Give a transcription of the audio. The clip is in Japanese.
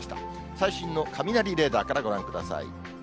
最新の雷レーダーからご覧ください。